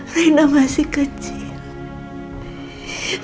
rina masih kecil